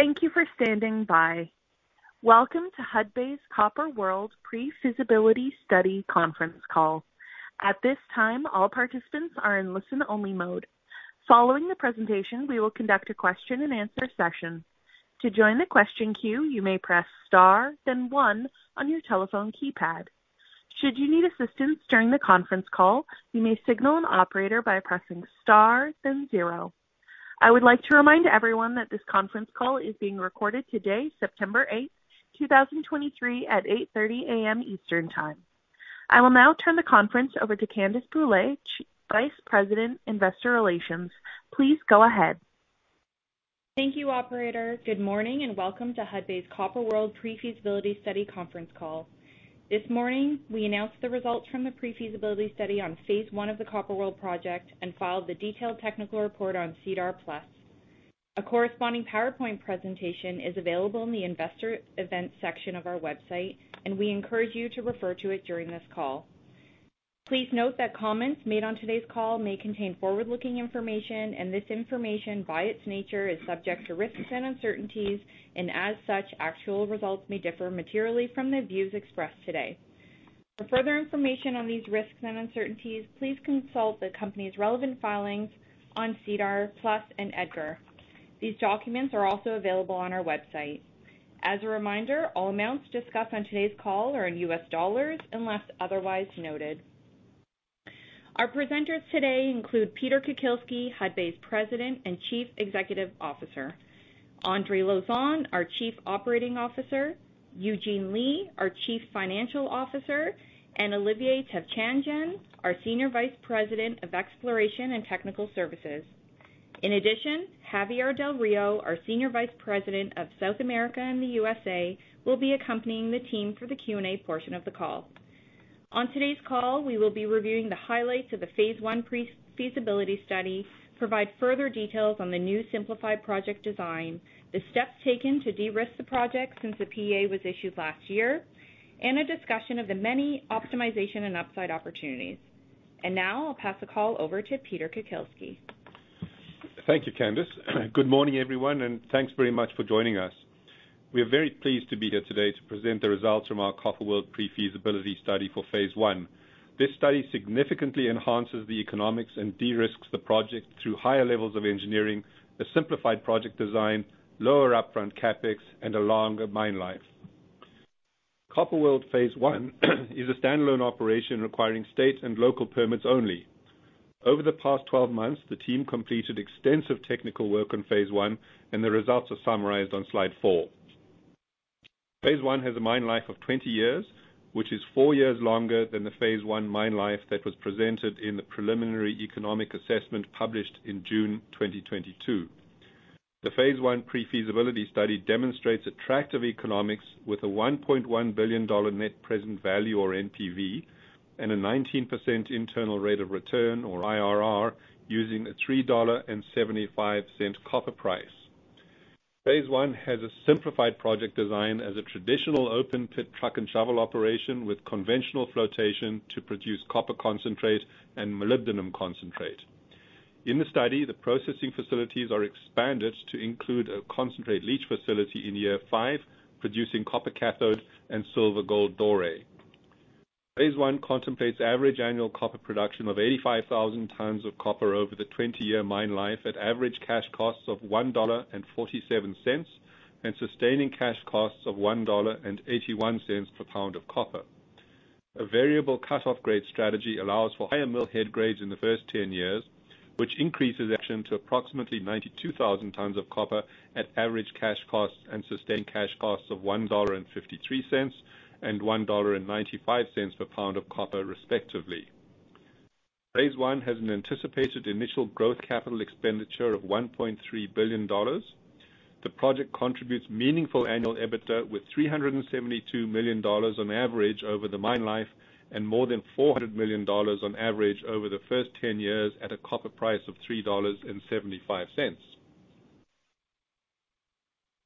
Thank you for standing by. Welcome to Hudbay's Copper World Pre-Feasibility Study Conference Call. At this time, all participants are in listen-only mode. Following the presentation, we will conduct a question-and-answer session. To join the question queue, you may press star, then one on your telephone keypad. Should you need assistance during the conference call, you may signal an operator by pressing star, then zero. I would like to remind everyone that this conference call is being recorded today, September 8th, 2023 at 8:30 A.M. Eastern Time. I will now turn the conference over to Candace Brûlé, Vice President, Investor Relations. Please go ahead. Thank you, operator. Good morning, and welcome to Hudbay's Copper World Pre-Feasibility Study conference call. This morning, we announced the results from the Pre-Feasibility Study on Phase I of the Copper World project and filed the detailed technical report on SEDAR+. A corresponding PowerPoint presentation is available in the investor events section of our website, and we encourage you to refer to it during this call. Please note that comments made on today's call may contain forward-looking information, and this information, by its nature, is subject to risks and uncertainties, and as such, actual results may differ materially from the views expressed today. For further information on these risks and uncertainties, please consult the company's relevant filings on SEDAR+ and EDGAR. These documents are also available on our website. As a reminder, all amounts discussed on today's call are in U.S. dollars unless otherwise noted. Our presenters today include Peter Kukielski, Hudbay's President and Chief Executive Officer; Andre Lauzon, our Chief Operating Officer; Eugene Lei, our Chief Financial Officer, and Olivier Tavchandjian, our Senior Vice President of Exploration and Technical Services. In addition, Javier Del Rio, our Senior Vice President of South America and the U.S.A., will be accompanying the team for the Q&A portion of the call. On today's call, we will be reviewing the highlights of the Phase I Pre-Feasibility Study, provide further details on the new simplified project design, the steps taken to de-risk the project since the PEA was issued last year, and a discussion of the many optimization and upside opportunities. And now, I'll pass the call over to Peter Kukielski. Thank you, Candace. Good morning, everyone, and thanks very much for joining us. We are very pleased to be here today to present the results from our Copper World Pre-Feasibility Study for Phase I. This study significantly enhances the economics and de-risks the project through higher levels of engineering, a simplified project design, lower upfront CapEx, and a longer mine life. Copper Phase I is a standalone operation requiring state and local permits only. Over the past 12 months, the team completed extensive technical work Phase I, and the results are summarized on slide Phase I has a mine life of 20 years, which is 4 years longer than the Phase I mine life that was presented in the Preliminary Economic Assessment published in June 2022. Phase I Pre-Feasibility Study demonstrates attractive economics with a $1.1 billion net present value, or NPV, and a 19% internal rate of return, or IRR, using a $3.75 copper Phase I has a simplified project design as a traditional open-pit truck and shovel operation with conventional flotation to produce copper concentrate and molybdenum concentrate. In the study, the processing facilities are expanded to include a concentrate leach facility in year 5, producing copper cathode and silver/gold doré. Phase I contemplates average annual copper production of 85,000 tons of copper over the 20-year mine life at average cash costs of $1.47, and sustaining cash costs of $1.81 per pound of copper. A variable cut-off grade strategy allows for higher mill head grades in the first 10 years, which increases production to approximately 92,000 tons of copper at average cash costs and sustained cash costs of $1.53 and $1.95 per pound of copper, respectively. Phase I has an anticipated initial growth capital expenditure of $1.3 billion. The project contributes meaningful annual EBITDA, with $372 million on average over the mine life and more than $400 million on average over the first 10 years at a copper price of $3.75.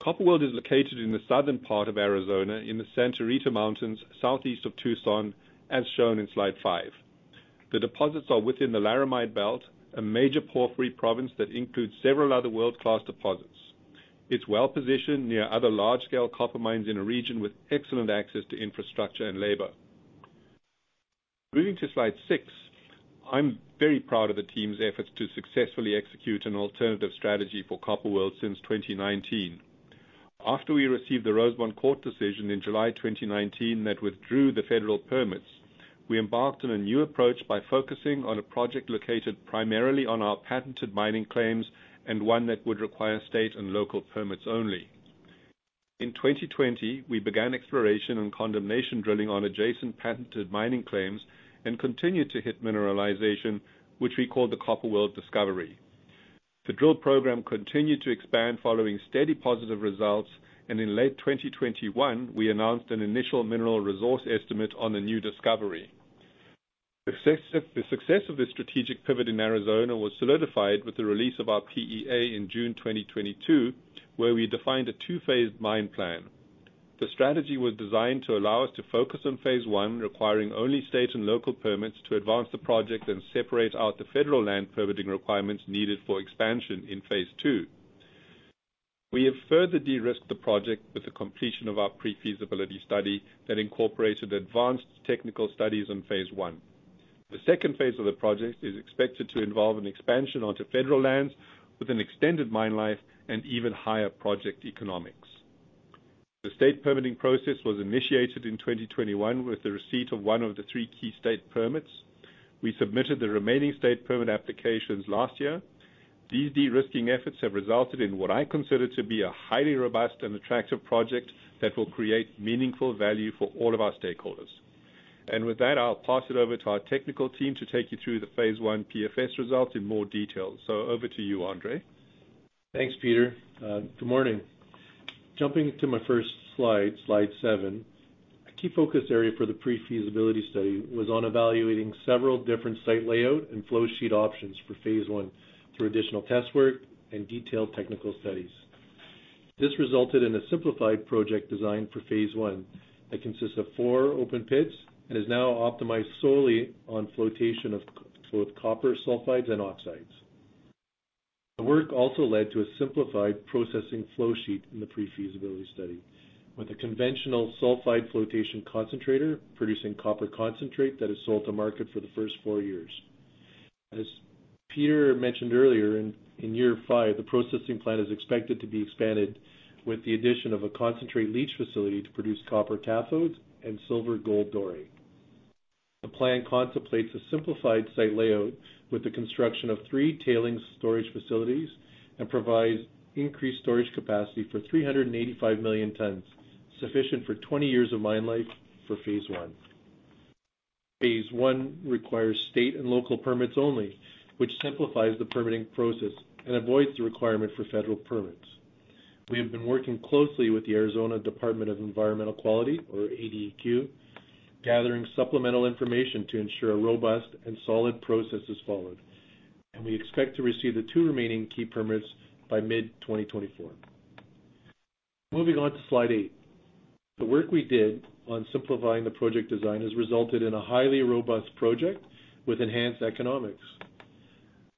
Copper World is located in the southern part of Arizona, in the Santa Rita Mountains, Southeast of Tucson, as shown in slide 5. The deposits are within the Laramide Belt, a major porphyry province that includes several other world-class deposits. It's well-positioned near other large-scale copper mines in a region with excellent access to infrastructure and labor. Moving to slide 6, I'm very proud of the team's efforts to successfully execute an alternative strategy for Copper World since 2019. After we received the Rosemont court decision in July 2019 that withdrew the federal permits, we embarked on a new approach by focusing on a project located primarily on our patented mining claims and one that would require state and local permits only. In 2020, we began exploration and condemnation drilling on adjacent patented mining claims and continued to hit mineralization, which we call the Copper World Discovery. The drill program continued to expand following steady positive results, and in late 2021, we announced an initial mineral resource estimate on the new discovery. The success of this strategic pivot in Arizona was solidified with the release of our PEA in June 2022, where we defined a two-phased mine plan. The strategy was designed to allow us to focus on Phase I, requiring only state and local permits to advance the project and separate out the federal land permitting requirements needed for expansion in Phase II. We have further de-risked the project with the completion of our Pre-Feasibility Study that incorporated advanced technical studies on Phase I. The second phase of the project is expected to involve an expansion onto federal lands with an extended mine life and even higher project economics. The state permitting process was initiated in 2021 with the receipt of one of the three key state permits. We submitted the remaining state permit applications last year. These de-risking efforts have resulted in what I consider to be a highly robust and attractive project that will create meaningful value for all of our stakeholders. With that, I'll pass it over to our technical team to take you through the Phase I PFS results in more detail. Over to you, Andre. Thanks, Peter. Good morning. Jumping to my first slide, slide 7, a key focus area for the Pre-Feasibility Study was on evaluating several different site layout and flow sheet options for Phase I, through additional test work and detailed technical studies. This resulted in a simplified project design for Phase I that consists of four open pits and is now optimized solely on flotation of both copper sulfides and oxides. The work also led to a simplified processing flow sheet in the Pre-Feasibility Study, with a conventional sulfide flotation concentrator producing copper concentrate that is sold to market for the first four years. As Peter mentioned earlier, in year 5, the processing plant is expected to be expanded with the addition of a concentrate leach facility to produce copper cathodes and silver/gold doré. The plan contemplates a simplified site layout with the construction of three tailings storage facilities, and provides increased storage capacity for 385 million tons, sufficient for 20 years of mine life for Phase I. Phase I requires state and local permits only, which simplifies the permitting process and avoids the requirement for federal permits. We have been working closely with the Arizona Department of Environmental Quality, or ADEQ, gathering supplemental information to ensure a robust and solid process is followed, and we expect to receive the two remaining key permits by mid-2024. Moving on to slide 8. The work we did on simplifying the project design has resulted in a highly robust project with enhanced economics.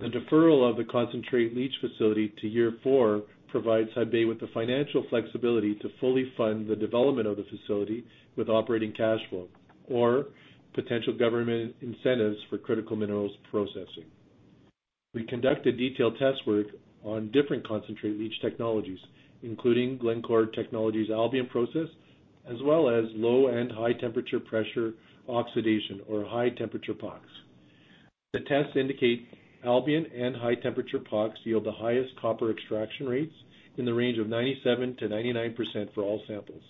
The deferral of the concentrate leach facility to year 4 provides Hudbay with the financial flexibility to fully fund the development of the facility with operating cash flow or potential government incentives for critical minerals processing. We conducted detailed test work on different concentrate leach technologies, including Glencore Technology's Albion Process, as well as low- and high-temperature pressure oxidation, or high-temperature POX. The tests indicate Albion and high-temperature POX yield the highest copper extraction rates in the range of 97%-99% for all samples.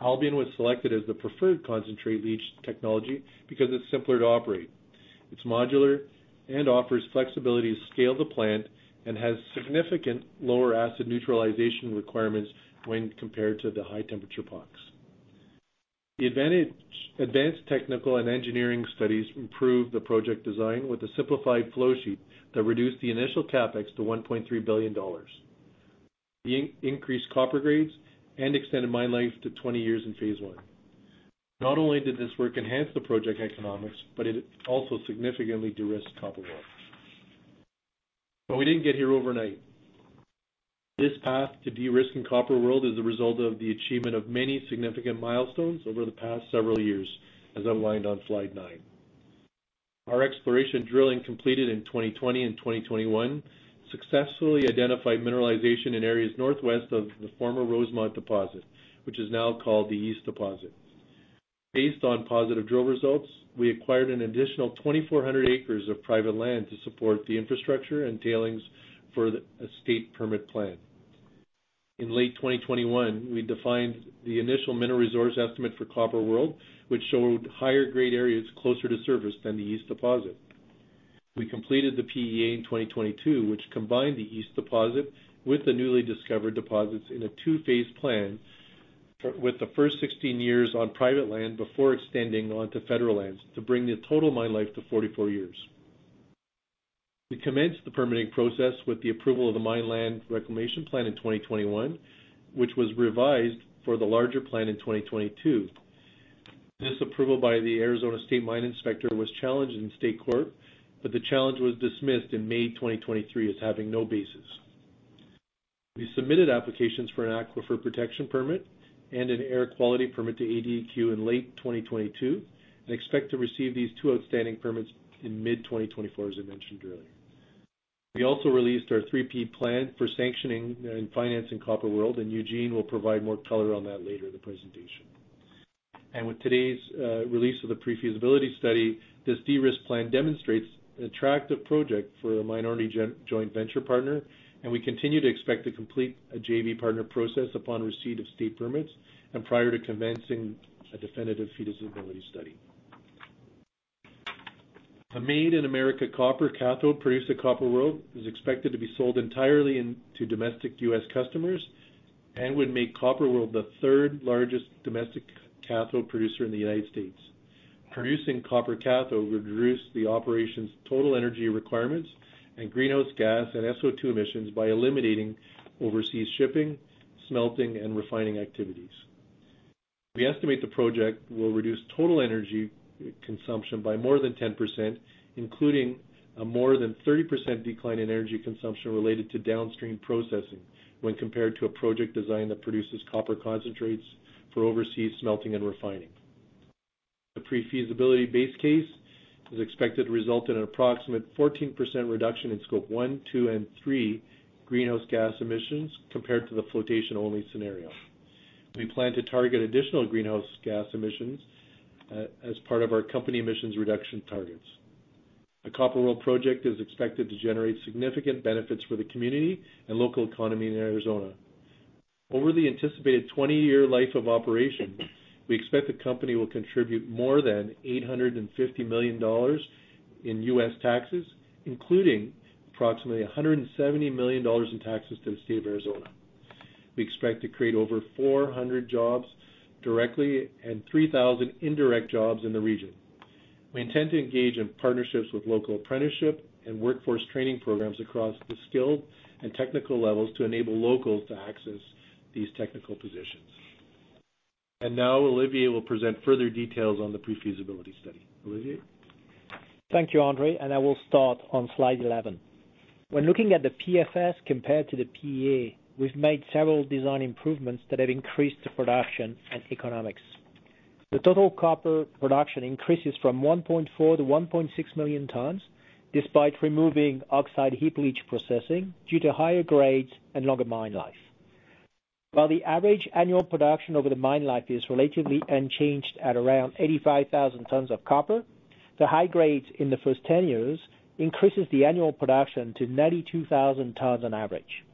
Albion was selected as the preferred concentrate leach technology because it's simpler to operate. It's modular and offers flexibility to scale the plant and has significant lower acid neutralization requirements when compared to the high-temperature POX. Advanced technical and engineering studies improved the project design with a simplified flow sheet that reduced the initial CapEx to $1.3 billion, the increased copper grades and extended mine life to 20 years in Phase I. Not only did this work enhance the project economics, but it also significantly de-risked Copper World. But we didn't get here overnight. This path to de-risking Copper World is a result of the achievement of many significant milestones over the past several years, as outlined on slide 9. Our exploration drilling, completed in 2020 and 2021, successfully identified mineralization in areas northwest of the former Rosemont deposit, which is now called the East deposit. Based on positive drill results, we acquired an additional 2,400 acres of private land to support the infrastructure and tailings for the state permit plan. In late 2021, we defined the initial mineral resource estimate for Copper World, which showed higher grade areas closer to surface than the East deposit. We completed the PEA in 2022, which combined the East deposit with the newly discovered deposits in a two-phase plan, with the first 16 years on private land before extending onto federal lands, to bring the total mine life to 44 years. We commenced the permitting process with the approval of the Mine Land Reclamation Plan in 2021, which was revised for the larger plan in 2022. This approval by the Arizona State Mine Inspector was challenged in state court, but the challenge was dismissed in May 2023 as having no basis. We submitted applications for an aquifer protection permit and an air quality permit to ADEQ in late 2022, and expect to receive these 2 outstanding permits in mid-2024, as I mentioned earlier. We also released our 3-P plan for sanctioning and financing Copper World, and Eugene will provide more color on that later in the presentation. With today's release of the Pre-Feasibility Study, this de-risk plan demonstrates an attractive project for a minority joint venture partner, and we continue to expect to complete a JV partner process upon receipt of state permits and prior to commencing a definitive feasibility study. A Made in America copper cathode produced at Copper World is expected to be sold entirely in to domestic U.S. customers and would make Copper World the third largest domestic cathode producer in the United States. Producing copper cathode would reduce the operation's total energy requirements and greenhouse gas and SO2 emissions by eliminating overseas shipping, smelting, and refining activities. We estimate the project will reduce total energy consumption by more than 10%, including a more than 30% decline in energy consumption related to downstream processing when compared to a project design that produces copper concentrates for overseas smelting and refining. The pre-feasibility base case is expected to result in an approximate 14% reduction in Scope 1, 2, and 3 greenhouse gas emissions compared to the flotation-only scenario. We plan to target additional greenhouse gas emissions as part of our company emissions reduction targets. The Copper World project is expected to generate significant benefits for the community and local economy in Arizona. Over the anticipated 20-year life of operation, we expect the company will contribute more than $850 million in U.S. taxes, including approximately $170 million in taxes to the state of Arizona. We expect to create over 400 jobs directly and 3,000 indirect jobs in the region. We intend to engage in partnerships with local apprenticeship and workforce training programs across the skilled and technical levels to enable locals to access these technical positions. And now Olivier will present further details on the Pre-Feasibility Study. Olivier? Thank you, Andre, and I will start on slide 11. When looking at the PFS compared to the PEA, we've made several design improvements that have increased the production and economics. The total copper production increases from 1.4 million-1.6 million tons, despite removing oxide heap leach processing due to higher grades and longer mine life. While the average annual production over the mine life is relatively unchanged at around 85,000 tons of copper, the high grades in the first 10 years increases the annual production to 92,000 tons on average.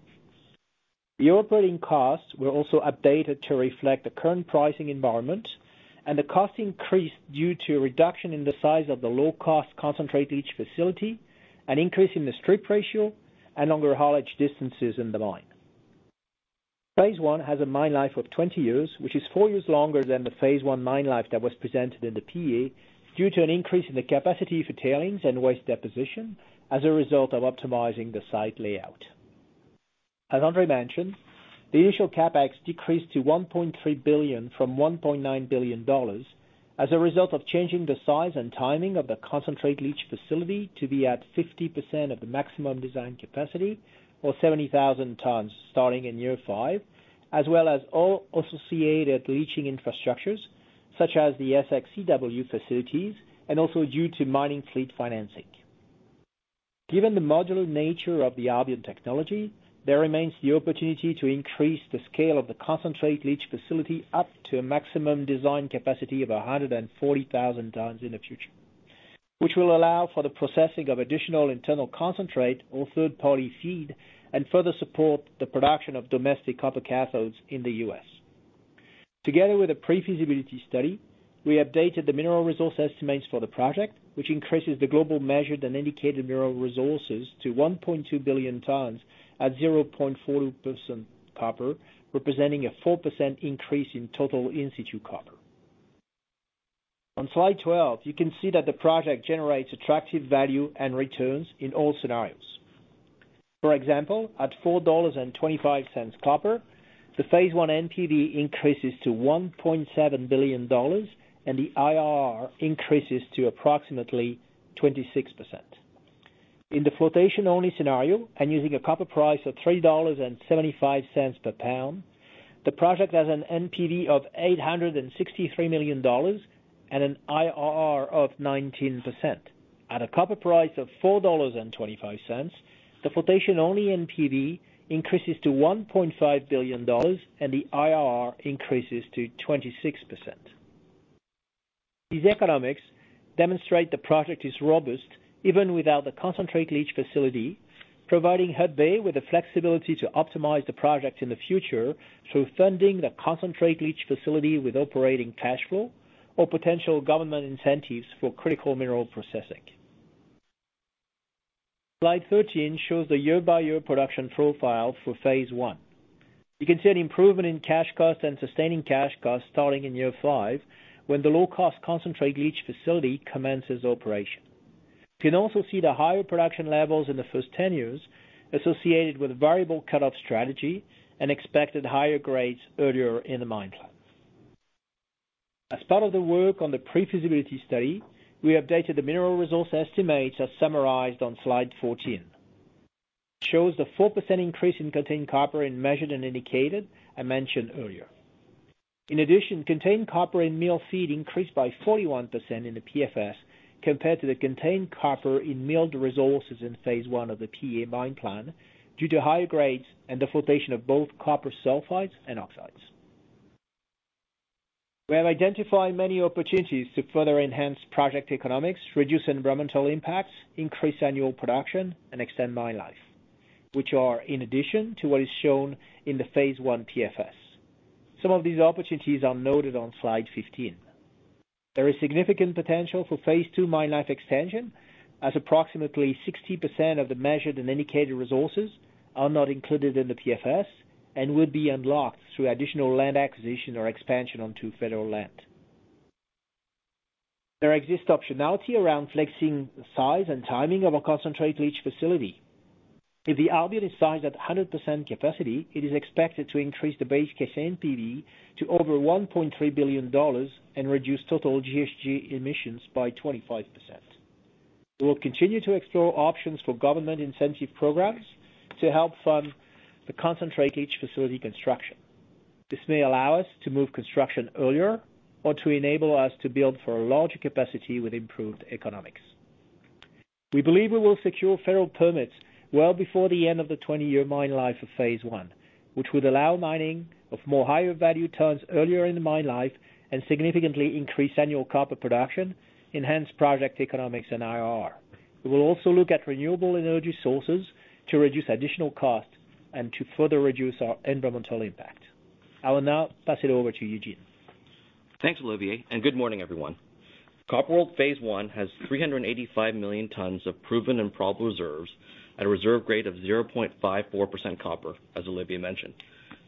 The operating costs were also updated to reflect the current pricing environment, and the cost increased due to a reduction in the size of the low-cost concentrate leach facility, an increase in the strip ratio, and longer haulage distances in the mine. Phase I has a mine life of 20 years, which is 4 years longer than the Phase I mine life that was presented in the PEA, due to an increase in the capacity for tailings and waste deposition as a result of optimizing the site layout. As Andre mentioned, the initial CapEx decreased to $1.3 billion from $1.9 billion as a result of changing the size and timing of the concentrate leach facility to be at 50% of the maximum design capacity, or 70,000 tons, starting in year 5, as well as all associated leaching infrastructures, such as the SX/EW facilities, and also due to mining fleet financing. Given the modular nature of the Albion technology, there remains the opportunity to increase the scale of the concentrate leach facility up to a maximum design capacity of 140,000 tons in the future, which will allow for the processing of additional internal concentrate or third-party feed and further support the production of domestic copper cathodes in the U.S. Together with a Pre-Feasibility Study, we updated the mineral resource estimates for the project, which increases the global measured and indicated mineral resources to 1.2 billion tons at 0.4% copper, representing a 4% increase in total in-situ copper. On slide 12, you can see that the project generates attractive value and returns in all scenarios. For example, at $4.25 copper, the Phase I NPV increases to $1.7 billion, and the IRR increases to approximately 26%. In the flotation-only scenario, and using a copper price of $3.75 per pound, the project has an NPV of $863 million and an IRR of 19%. At a copper price of $4.25, the flotation-only NPV increases to $1.5 billion, and the IRR increases to 26%. These economics demonstrate the project is robust even without the concentrate leach facility, providing Hudbay with the flexibility to optimize the project in the future through funding the concentrate leach facility with operating cash flow or potential government incentives for critical mineral processing. Slide 13 shows the year-by-year production profile for Phase I. You can see an improvement in cash costs and sustaining cash costs starting in year 5, when the low-cost concentrate leach facility commences operation. You can also see the higher production levels in the first 10 years associated with variable cut-off strategy and expected higher grades earlier in the mine plan. As part of the work on the Pre-Feasibility Study, we updated the mineral resource estimates, as summarized on slide 14. It shows the 4% increase in contained copper in measured and indicated, I mentioned earlier. In addition, contained copper in mill feed increased by 41% in the PFS compared to the contained copper in milled resources in Phase I of the PEA mine plan, due to higher grades and the flotation of both copper sulfides and oxides. We have identified many opportunities to further enhance project economics, reduce environmental impacts, increase annual production, and extend mine life, which are in addition to what is shown in the Phase I PFS. Some of these opportunities are noted on slide 15. There is significant potential for Phase II mine life extension, as approximately 60% of the measured and indicated resources are not included in the PFS and would be unlocked through additional land acquisition or expansion onto federal land. There exists optionality around flexing the size and timing of our concentrate leach facility. If the Albion is sized at 100% capacity, it is expected to increase the base case NPV to over $1.3 billion and reduce total GHG emissions by 25%. We will continue to explore options for government incentive programs to help fund the concentrate leach facility construction. This may allow us to move construction earlier or to enable us to build for a larger capacity with improved economics. We believe we will secure federal permits well before the end of the 20-year mine life Phase I, which would allow mining of more higher value tons earlier in the mine life and significantly increase annual copper production, enhance project economics and IRR. We will also look at renewable energy sources to reduce additional costs and to further reduce our environmental impact. I will now pass it over to Eugene. Thanks, Olivier, and good morning, everyone. Copper World Phase I has 385 million tons of proven and probable reserves at a reserve grade of 0.54% copper, as Olivier mentioned.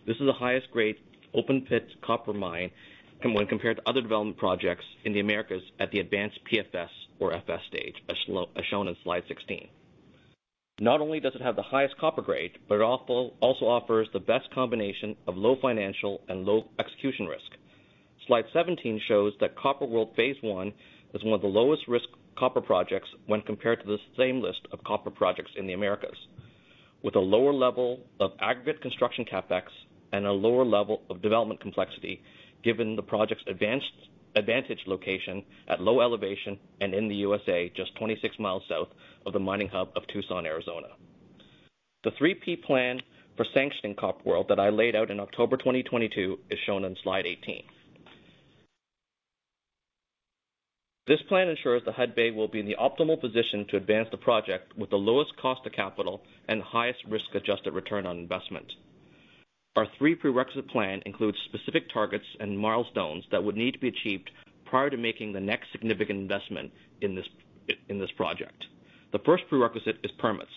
This is the highest grade open pit copper mine when compared to other development projects in the Americas at the advanced PFS or FS stage, as shown in slide 16. Not only does it have the highest copper grade, but it also offers the best combination of low financial and low execution risk. Slide 17 shows that Copper World Phase I is one of the lowest risk copper projects when compared to the same list of copper projects in the Americas, with a lower level of aggregate construction CapEx and a lower level of development complexity, given the project's advantageous location at low elevation and in the U.S.A, just 26 miles south of the mining hub of Tucson, Arizona. The 3-P plan for sanctioning Copper World that I laid out in October 2022 is shown on slide 18. This plan ensures that Hudbay will be in the optimal position to advance the project with the lowest cost of capital and highest risk-adjusted return on investment. Our three-prerequisite plan includes specific targets and milestones that would need to be achieved prior to making the next significant investment in this, in this project. The first prerequisite is permits.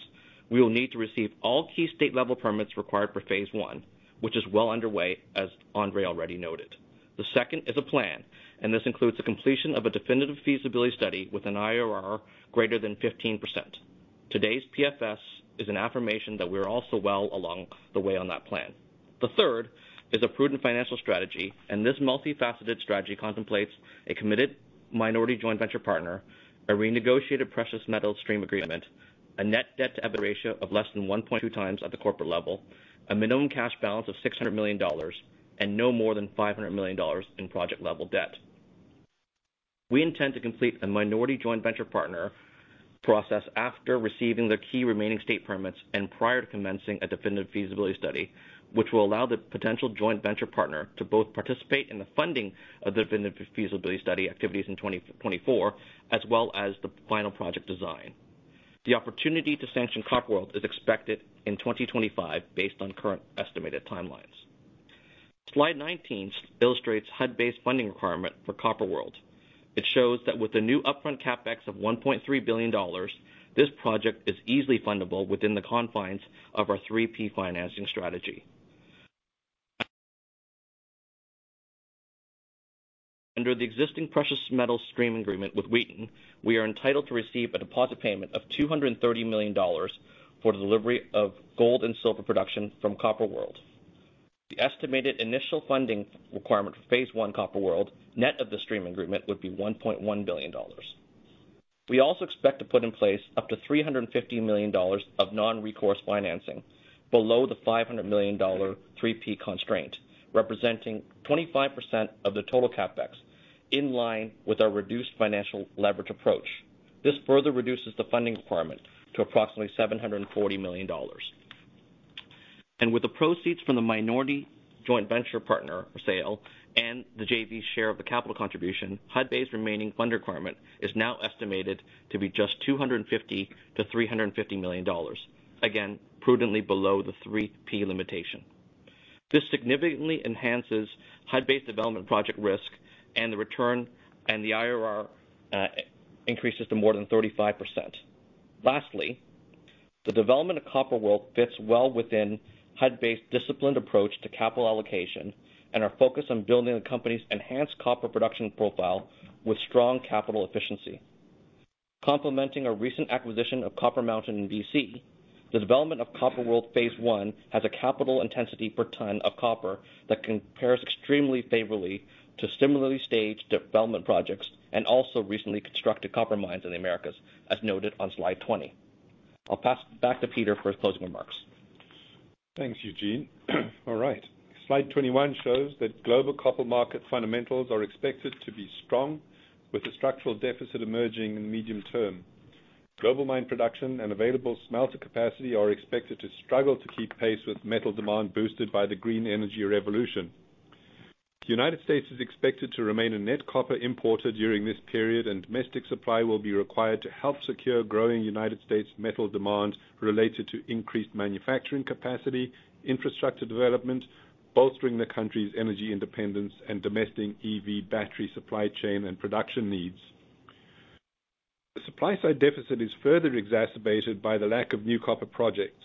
We will need to receive all key state-level permits required for Phase I, which is well underway, as Andre already noted. The second is a plan, and this includes the completion of a definitive feasibility study with an IRR greater than 15%. Today's PFS is an affirmation that we're also well along the way on that plan. The third is a prudent financial strategy, and this multifaceted strategy contemplates a committed minority joint venture partner, a renegotiated precious metal stream agreement, a net debt to EBITDA ratio of less than 1.2x at the corporate level, a minimum cash balance of $600 million, and no more than $500 million in project-level debt. We intend to complete a minority joint venture partner process after receiving the key remaining state permits and prior to commencing a definitive feasibility study, which will allow the potential joint venture partner to both participate in the funding of the definitive feasibility study activities in 2024, as well as the final project design. The opportunity to sanction Copper World is expected in 2025, based on current estimated timelines. Slide 19 illustrates Hudbay's funding requirement for Copper World. It shows that with the new upfront CapEx of $1.3 billion, this project is easily fundable within the confines of our 3-P financing strategy. Under the existing precious metal stream agreement with Wheaton, we are entitled to receive a deposit payment of $230 million for the delivery of gold and silver production from Copper World. The estimated initial funding requirement for Phase I, Copper World, net of the stream agreement, would be $1.1 billion. We also expect to put in place up to $350 million of non-recourse financing below the $500 million 3-P constraint, representing 25% of the total CapEx, in line with our reduced financial leverage approach. This further reduces the funding requirement to approximately $740 million. With the proceeds from the minority joint venture partner sale and the JV share of the capital contribution, Hudbay's remaining fund requirement is now estimated to be just $250 million-$350 million, again, prudently below the 3-P limitation. This significantly enhances Hudbay's development project risk and the return, and the IRR, increases to more than 35%. Lastly, the development of Copper World fits well within Hudbay's disciplined approach to capital allocation and our focus on building the company's enhanced copper production profile with strong capital efficiency. Complementing our recent acquisition of Copper Mountain in B.C., the development of Copper World Phase I has a capital intensity per ton of copper that compares extremely favorably to similarly staged development projects, and also recently constructed copper mines in the Americas, as noted on slide 20. I'll pass it back to Peter for his closing remarks. Thanks, Eugene. All right. Slide 21 shows that global copper market fundamentals are expected to be strong, with a structural deficit emerging in the medium term. Global mine production and available smelter capacity are expected to struggle to keep pace with metal demand, boosted by the green energy revolution. The United States is expected to remain a net copper importer during this period, and domestic supply will be required to help secure growing United States metal demand related to increased manufacturing capacity, infrastructure development, bolstering the country's energy independence and domestic EV battery supply chain and production needs. The supply side deficit is further exacerbated by the lack of new copper projects.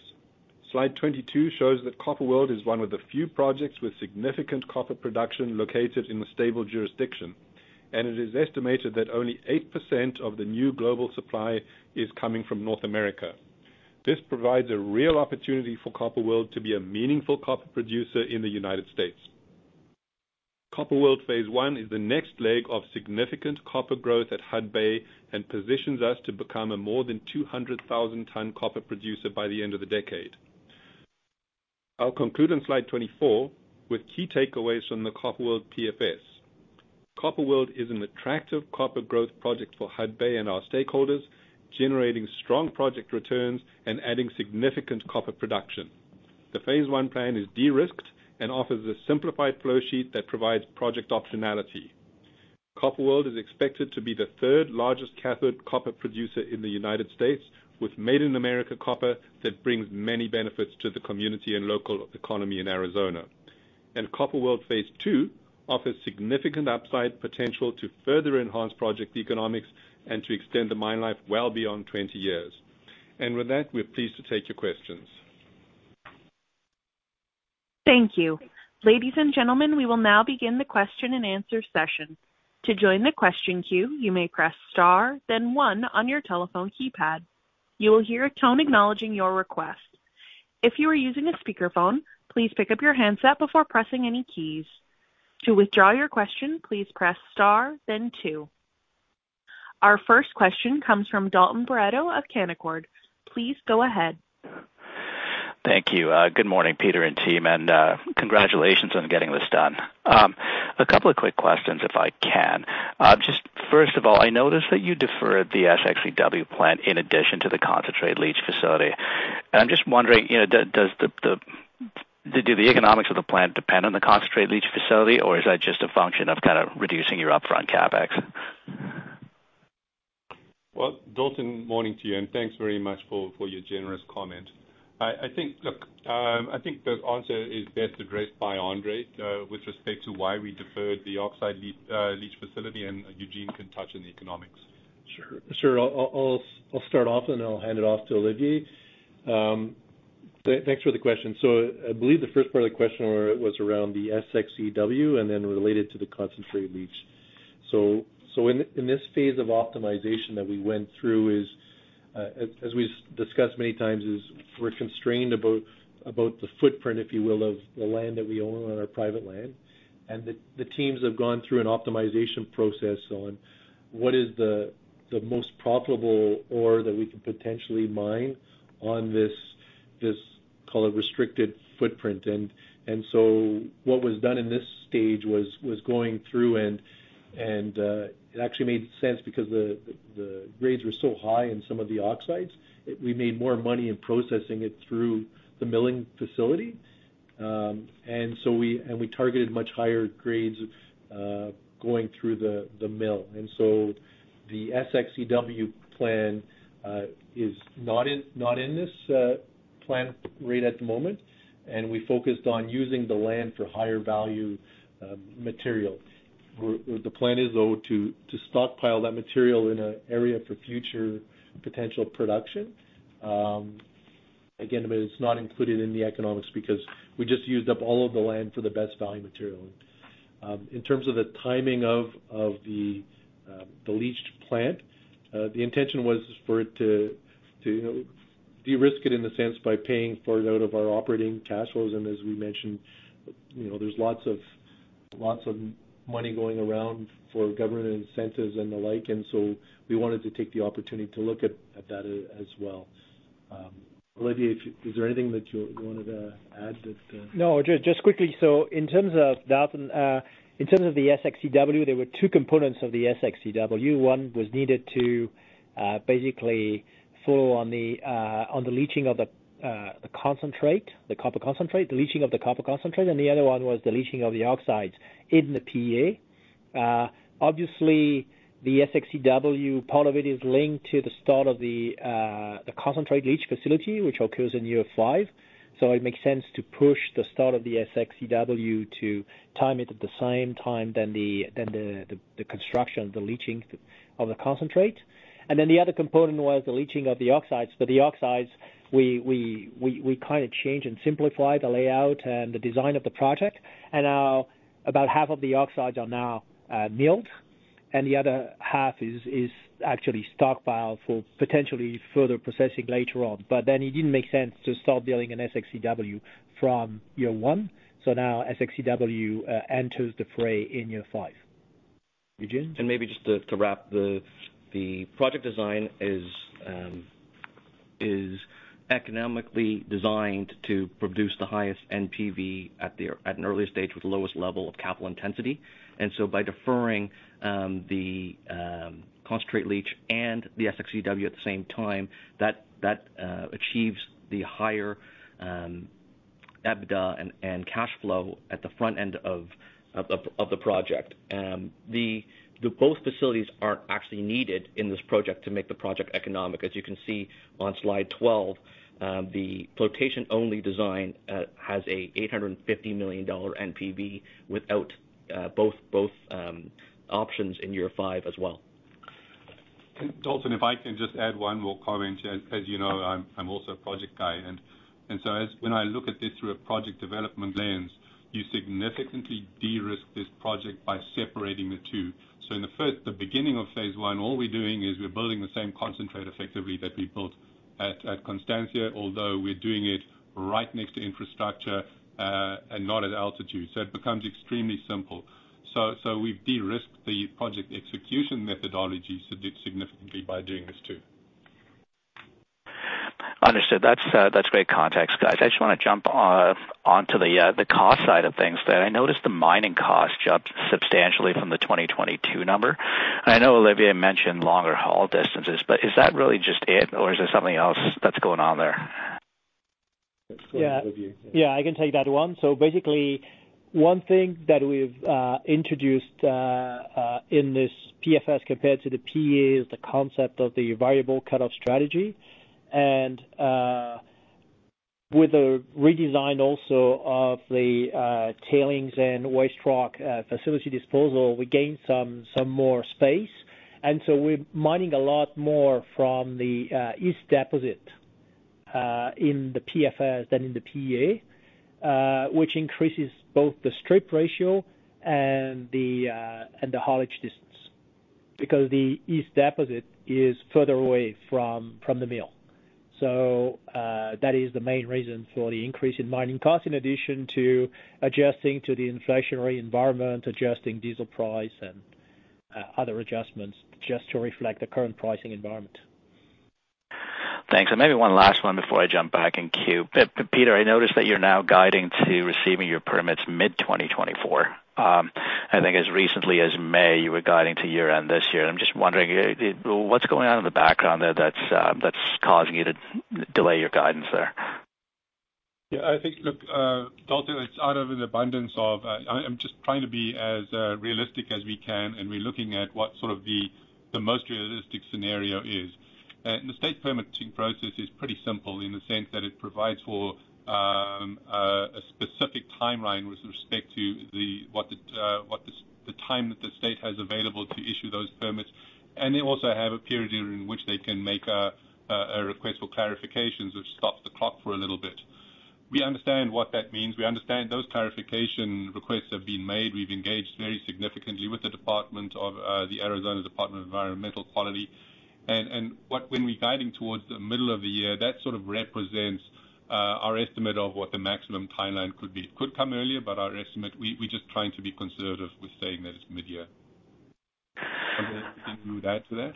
Slide 22 shows that Copper World is one of the few projects with significant copper production located in a stable jurisdiction, and it is estimated that only 8% of the new global supply is coming from North America. This provides a real opportunity for Copper World to be a meaningful copper producer in the United States. Copper World Phase I is the next leg of significant copper growth at Hudbay, and positions us to become a more than 200,000-ton copper producer by the end of the decade. I'll conclude on slide 24 with key takeaways from the Copper World PFS. Copper World is an attractive copper growth project for Hudbay and our stakeholders, generating strong project returns and adding significant copper production. Phase I plan is de-risked and offers a simplified flow sheet that provides project optionality. Copper World is expected to be the third-largest cathode copper producer in the United States, with Made in America copper that brings many benefits to the community and local economy in Arizona. Copper World phase 2 offers significant upside potential to further enhance project economics and to extend the mine life well beyond 20 years. With that, we're pleased to take your questions. Thank you. Ladies and gentlemen, we will now begin the question-and-answer session. To join the question queue, you may press star, then one on your telephone keypad. You will hear a tone acknowledging your request. If you are using a speakerphone, please pick up your handset before pressing any keys. To withdraw your question, please press star then two. Our first question comes from Dalton Baretto of Canaccord. Please go ahead. Thank you. Good morning, Peter and team, and congratulations on getting this done. A couple of quick questions, if I can. Just first of all, I noticed that you deferred the SX/EW plant in addition to the concentrate leach facility. And I'm just wondering, you know, does the economics of the plant depend on the concentrate leach facility, or is that just a function of kind of reducing your upfront CapEx? Well, Dalton, morning to you, and thanks very much for your generous comment. I think the answer is best addressed by Andre with respect to why we deferred the oxide leach facility, and Eugene can touch on the economics. Sure, sure. I'll start off, and I'll hand it off to Olivier. Thanks for the question. So I believe the first part of the question was around the SX/EW and then related to the concentrate leach. So in this phase of optimization that we went through, as we've discussed many times, we're constrained about the footprint, if you will, of the land that we own on our private land. And the teams have gone through an optimization process on what is the most profitable ore that we can potentially mine on this, call it restricted footprint. So what was done in this stage was going through and it actually made sense because the grades were so high in some of the oxides, it—we made more money in processing it through the milling facility. And so we targeted much higher grades going through the mill. And so the SX/EW plan is not in this plan right at the moment, and we focused on using the land for higher-value material. Well, the plan is, though, to stockpile that material in an area for future potential production. Again, but it's not included in the economics because we just used up all of the land for the best value material. In terms of the timing of the leach plant, the intention was for it to you know de-risk it in the sense by paying for it out of our operating cash flows. And as we mentioned, you know, there's lots of money going around for government incentives and the like, and so we wanted to take the opportunity to look at that as well. Olivier, is there anything that you wanted to add that, No, just, just quickly. So in terms of Dalton, in terms of the SX/EW, there were two components of the SX/EW. One was needed to, basically follow on the, on the leaching of the, the concentrate, the copper concentrate, the leaching of the copper concentrate, and the other one was the leaching of the oxides in the PEA. Obviously, the SX/EW, part of it is linked to the start of the, the concentrate leach facility, which occurs in year 5. So it makes sense to push the start of the SX/EW to time it at the same time than the construction, the leaching of the concentrate. And then the other component was the leaching of the oxides. For the oxides, we kind of changed and simplified the layout and the design of the project. Now, about half of the oxides are now milled, and the other half is actually stockpiled for potentially further processing later on. Then it didn't make sense to start building an SX/EW from year 1, so now SX/EW enters the fray in year 5. Eugene? And maybe just to wrap the project design is economically designed to produce the highest NPV at an earlier stage with the lowest level of capital intensity. And so by deferring the concentrate leach and the SX/EW at the same time, that achieves the higher EBITDA and cash flow at the front end of the project. Both facilities are actually needed in this project to make the project economic. As you can see on slide 12, the flotation-only design has a $850 million NPV without both options in year 5 as well. And Dalton, if I can just add one more comment. As you know, I'm also a project guy, and so when I look at this through a project development lens, you significantly de-risk this project by separating the two. So in the first, the beginning of Phase I, all we're doing is we're building the same concentrator effectively that we built at Constancia, although we're doing it right next to infrastructure, and not at altitude. So it becomes extremely simple. So we've de-risked the project execution methodology significantly by doing this too. Understood. That's, that's great context, guys. I just want to jump onto the, the cost side of things then. I noticed the mining cost jumped substantially from the 2022 number. I know Olivier mentioned longer haul distances, but is that really just it, or is there something else that's going on there? Olivier. Yeah, I can take that one. So basically, one thing that we've introduced in this PFS compared to the PEA is the concept of the variable cut-off strategy. And with the redesign also of the tailings and waste rock facility disposal, we gained some more space. And so we're mining a lot more from the East deposit in the PFS than in the PEA, which increases both the strip ratio and the haulage distance, because the East deposit is further away from the mill. So that is the main reason for the increase in mining costs, in addition to adjusting to the inflationary environment, adjusting diesel price and other adjustments, just to reflect the current pricing environment. Thanks. Maybe one last one before I jump back in queue. Peter, I noticed that you're now guiding to receiving your permits mid-2024. I think as recently as May, you were guiding to year-end this year. I'm just wondering what's going on in the background there that's causing you to delay your guidance there? Yeah, I think, look, Dalton, it's out of an abundance of, I'm just trying to be as realistic as we can, and we're looking at what sort of the most realistic scenario is. And the state permitting process is pretty simple in the sense that it provides for a specific timeline with respect to what the time that the state has available to issue those permits. And they also have a period during which they can make a request for clarifications, which stops the clock for a little bit. We understand what that means. We understand those clarification requests have been made. We've engaged very significantly with the department of the Arizona Department of Environmental Quality. And what, when we're guiding towards the middle of the year, that sort of represents our estimate of what the maximum timeline could be. It could come earlier, but our estimate, we're just trying to be conservative with saying that it's mid-year. Olivier, anything you can add to that?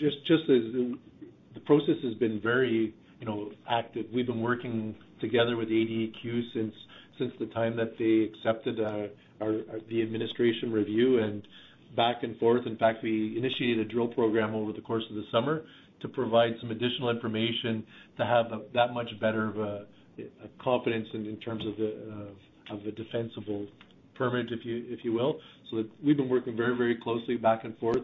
Just as the process has been very, you know, active, we've been working together with the ADEQ since the time that they accepted our administrative review and back and forth. In fact, we initiated a drill program over the course of the summer to provide some additional information, to have that much better of a confidence in terms of the defensible permit, if you will. So we've been working very, very closely back and forth.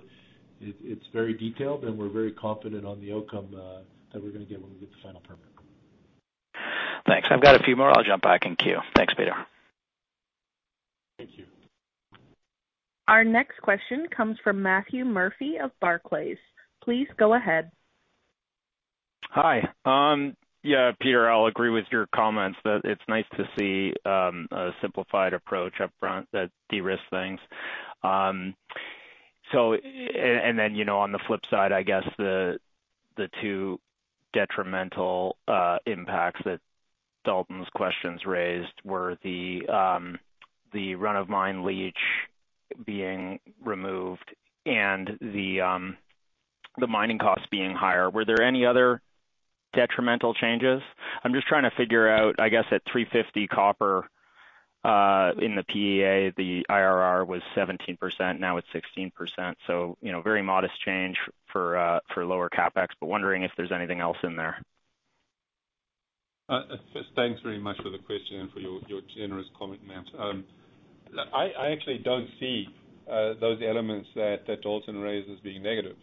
It's very detailed, and we're very confident on the outcome that we're going to get when we get the final permit. Thanks. I've got a few more. I'll jump back in queue. Thanks, Peter. Thank you. Our next question comes from Matthew Murphy of Barclays. Please go ahead. Hi. Yeah, Peter, I'll agree with your comments that it's nice to see a simplified approach up front that de-risks things. So and then, you know, on the flip side, I guess the two detrimental impacts that Dalton's questions raised were the run-of-mine leach being removed and the mining costs being higher. Were there any other detrimental changes? I'm just trying to figure out, I guess, at $350 million copper in the PEA, the IRR was 17%, now it's 16%. So, you know, very modest change for lower CapEx, but wondering if there's anything else in there. Thanks very much for the question and for your generous comment, Matt. I actually don't see those elements that Dalton raised as being negative.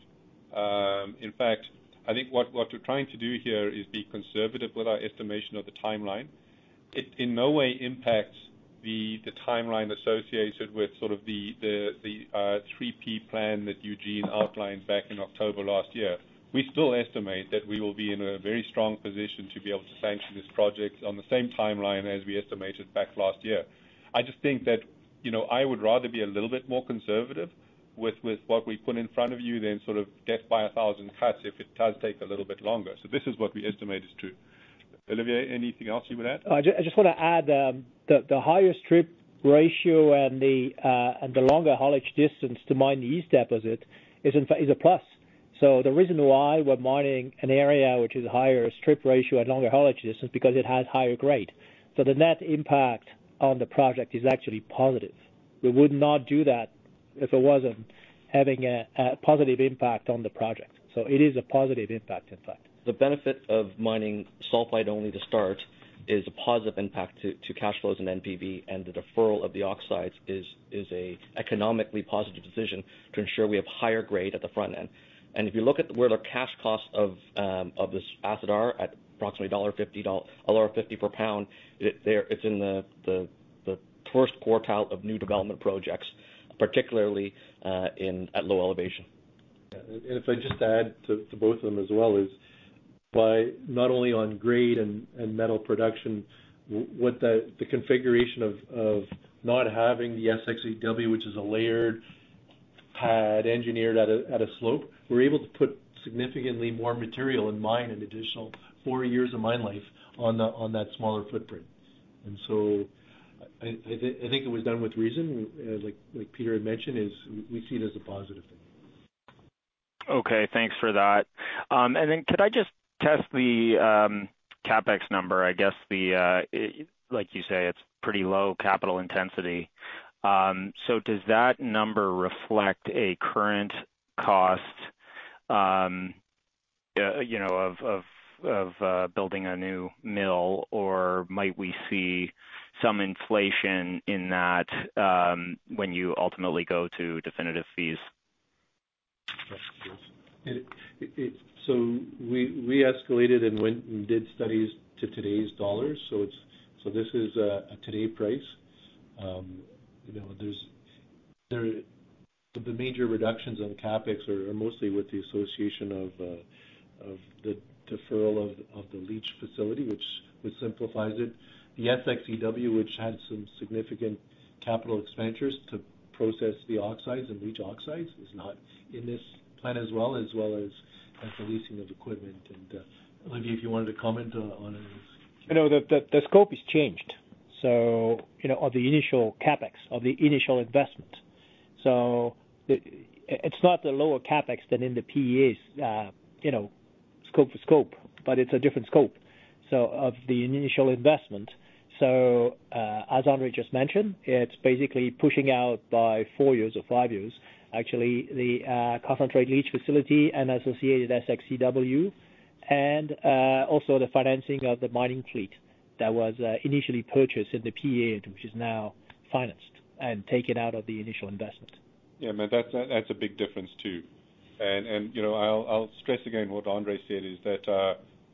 In fact, I think what we're trying to do here is be conservative with our estimation of the timeline. It in no way impacts the timeline associated with sort of the 3-P plan that Eugene outlined back in October last year. We still estimate that we will be in a very strong position to be able to sanction this project on the same timeline as we estimated back last year. I just think that, you know, I would rather be a little bit more conservative with what we put in front of you than sort of get by a thousand cuts if it does take a little bit longer. This is what we estimate is true. Olivier, anything else you would add? I just want to add that the higher strip ratio and the longer haulage distance to mine the East deposit is a plus. So the reason why we're mining an area which is higher strip ratio and longer haulage distance is because it has higher grade. So the net impact on the project is actually positive. We would not do that if it wasn't having a positive impact on the project. So it is a positive impact, in fact. The benefit of mining sulfide only to start is a positive impact to cash flows and NPV, and the deferral of the oxides is a economically positive decision to ensure we have higher grade at the front end. If you look at where the cash costs of this asset are, at approximately $1.50 per pound, it's in the first quartile of new development projects, particularly in at low elevation. Yeah, and if I just add to both of them as well, it's by not only on grade and metal production, what the configuration of not having the SX/EW, which is a layered pad engineered at a slope, we're able to put significantly more material in mine, an additional four years of mine life on that smaller footprint. And so I think it was done with reason, as like Peter had mentioned, we see it as a positive thing. Okay, thanks for that. And then could I just test the CapEx number? I guess, like you say, it's pretty low capital intensity. So does that number reflect a current cost, you know, of building a new mill, or might we see some inflation in that, when you ultimately go to definitive fees? Yes, please. And it, so we escalated and went and did studies to today's dollars. So it's – so this is a today price. You know, there's the major reductions on CapEx are mostly with the association of the deferral of the leach facility, which simplifies it. The SX/EW, which had some significant capital expenditures to process the oxides and leach oxides, is not in this plan as well as the leasing of equipment. And, Olivier, if you wanted to comment on this. You know, the scope has changed, so, you know, of the initial CapEx, of the initial investment. So it's not the lower CapEx than in the PEAs, you know, scope for scope, but it's a different scope, so of the initial investment. So, as Andre just mentioned, it's basically pushing out by 4 years or 5 years, actually, the concentrate leach facility and associated SX/EW and also the financing of the mining fleet that was initially purchased in the PEA, which is now financed and taken out of the initial investment. Yeah, I mean, that's a big difference, too. And you know, I'll stress again what Andre said, is that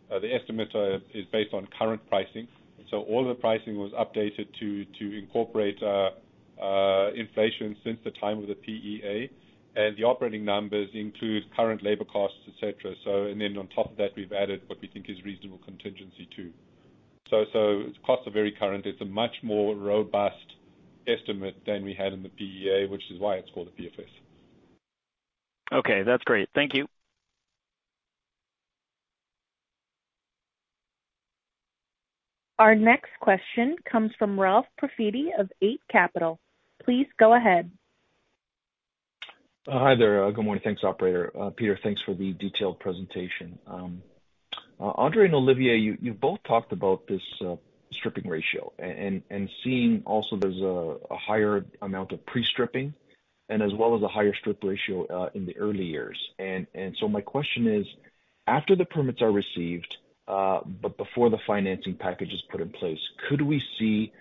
the estimate is based on current pricing. So all the pricing was updated to incorporate inflation since the time of the PEA, and the operating numbers include current labor costs, et cetera. So, and then on top of that, we've added what we think is reasonable contingency, too. So its costs are very current. It's a much more robust estimate than we had in the PEA, which is why it's called a PFS. Okay, that's great. Thank you. Our next question comes from Ralph Profiti of Eight Capital. Please go ahead. Hi there. Good morning. Thanks, operator. Peter, thanks for the detailed presentation. Andre and Olivier, you've both talked about this stripping ratio and seeing also there's a higher amount of pre-stripping and as well as a higher strip ratio in the early years. So my question is, after the permits are received, but before the financing package is put in place, could we see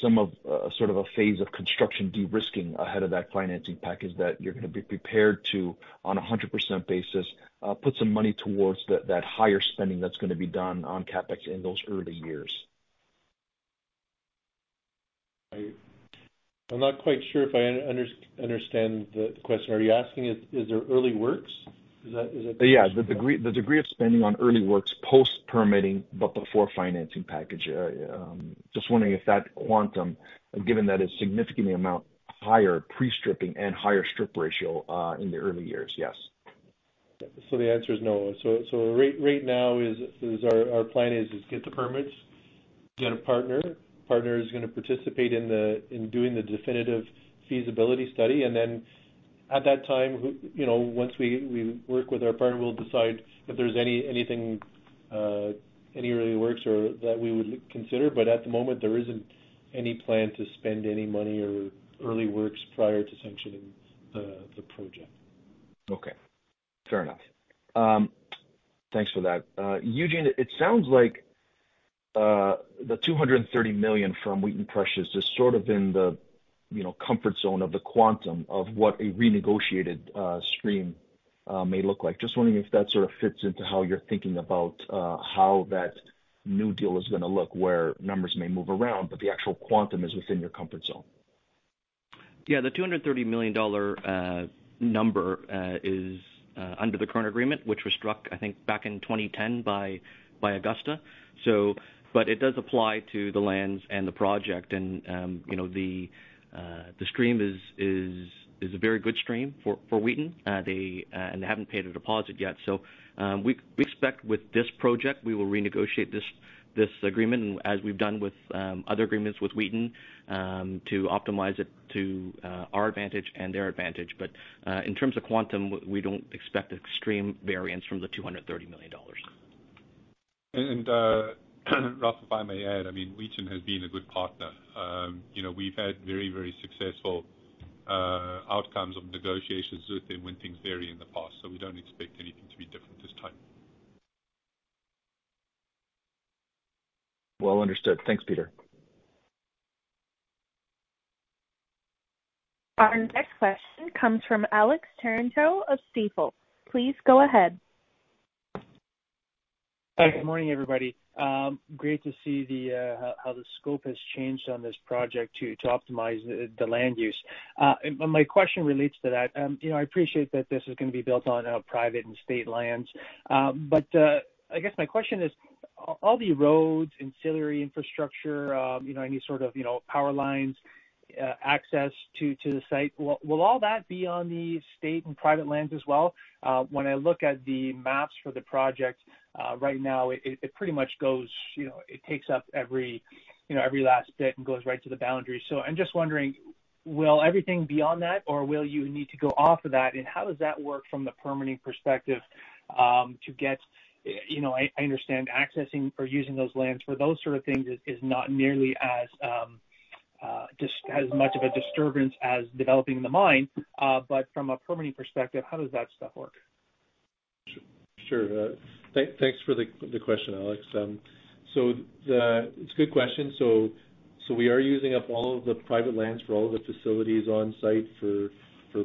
some sort of a phase of construction de-risking ahead of that financing package, that you're going to be prepared to, on a 100% basis, put some money towards that higher spending that's going to be done on CapEx in those early years? I'm not quite sure if I understand the question. Are you asking, is there early works? Is that. Yeah, the degree, the degree of spending on early works, post-permitting but before financing package. Just wondering if that quantum, given that it's significantly amount higher pre-stripping and higher strip ratio, in the early years, yes. So the answer is no. Right now our plan is get the permits, get a partner. Partner is going to participate in doing the definitive feasibility study, and then at that time, you know, once we work with our partner, we'll decide if there's anything, any early works or that we would consider, but at the moment, there isn't any plan to spend any money or early works prior to sanctioning the project. Okay, fair enough. Thanks for that. Eugene, it sounds like the $230 million from Wheaton Precious is sort of in the, you know, comfort zone of the quantum of what a renegotiated stream may look like. Just wondering if that sort of fits into how you're thinking about how that new deal is going to look, where numbers may move around, but the actual quantum is within your comfort zone. Yeah, the $230 million number is under the current agreement, which was struck, I think, back in 2010 by Augusta. So, but it does apply to the lands and the project, and, you know, the stream is a very good stream for Wheaton. They, and they haven't paid a deposit yet, so, we expect with this project, we will renegotiate this agreement as we've done with other agreements with Wheaton, to optimize it to our advantage and their advantage. But, in terms of quantum, we don't expect extreme variance from the $230 million. And, Ralph, if I may add, I mean, Wheaton has been a good partner. You know, we've had very, very successful outcomes of negotiations with them when things vary in the past, so we don't expect anything to be different this time. Well understood. Thanks, Peter. Our next question comes from Alex Terentiew of Stifel. Please go ahead. Hi, good morning, everybody. Great to see how the scope has changed on this project to optimize the land use. My question relates to that. You know, I appreciate that this is going to be built on private and state lands. But I guess my question is, all the roads, ancillary infrastructure, you know, any sort of, you know, power lines, access to the site, will all that be on the state and private lands as well? When I look at the maps for the project, right now, it pretty much goes, you know, it takes up every, you know, every last bit and goes right to the boundary. So I'm just wondering, will everything be on that, or will you need to go off of that? How does that work from the permitting perspective, to get, you know, I understand accessing or using those lands for those sort of things is not nearly as just as much of a disturbance as developing the mine. But from a permitting perspective, how does that stuff work? Sure. Thanks for the question, Alex. It's a good question. So we are using up all of the private lands for all of the facilities on site for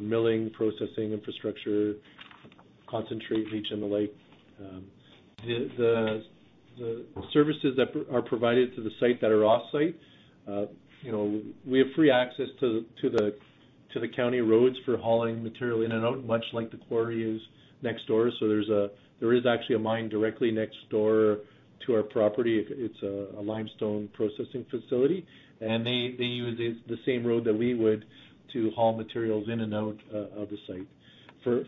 milling, processing, infrastructure, concentrate, leach and the like. The services that are provided to the site that are offsite, you know, we have free access to the county roads for hauling material in and out, much like the quarry is next door. So there is actually a mine directly next door to our property. It's a limestone processing facility, and they use the same road that we would to haul materials in and out of the site.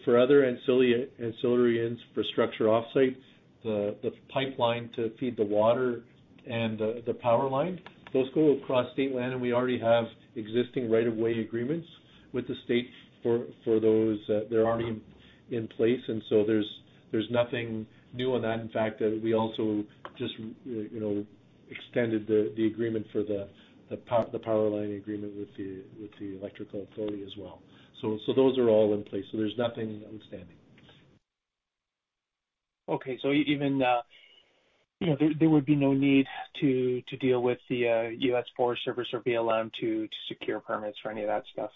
For other ancillary infrastructure offsite, the pipeline to feed the water and the power line, those go across state land, and we already have existing right-of-way agreements with the state for those. They're already in place, and so there's nothing new on that. In fact, we also just, you know, extended the agreement for the power line agreement with the electrical authority as well. So those are all in place, so there's nothing outstanding. Okay. So even, you know, there would be no need to deal with the U.S. Forest Service or BLM to secure permits for any of that stuff?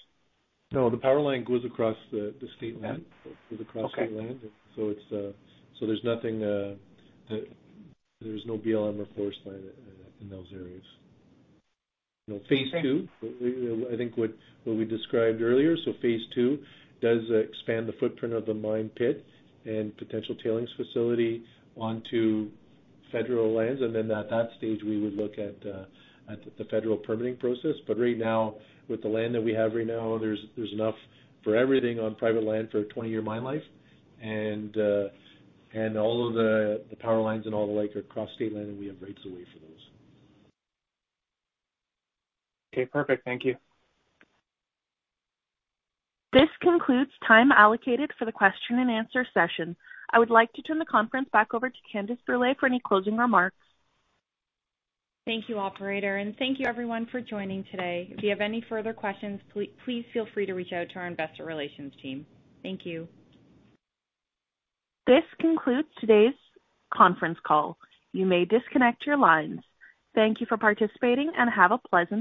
No, the power line goes across the state land. It goes across state land. So it's, so there's nothing, there's no BLM or forest land in those areas. Phase II, I think what we described earlier, so Phase II does expand the footprint of the mine pit and potential tailings facility onto federal lands. And then at that stage, we would look at the federal permitting process. But right now, with the land that we have right now, there's enough for everything on private land for a 20-year mine life. And all of the power lines and all the like are across state land, and we have rights of way for those. Okay, perfect. Thank you. This concludes time allocated for the question-and-answer session. I would like to turn the conference back over to Candace Brûlé for any closing remarks. Thank you, operator, and thank you everyone for joining today. If you have any further questions, please feel free to reach out to our investor relations team. Thank you. This concludes today's conference call. You may disconnect your lines. Thank you for participating, and have a pleasant day.